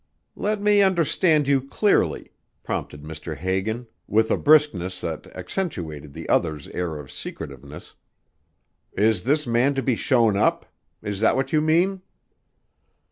"Let me understand you clearly," prompted Mr. Hagan, with a briskness that accentuated the other's air of secretiveness. "Is this man to be shown up? Is that what you mean?"